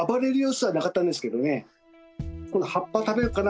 葉っぱ食べるかな？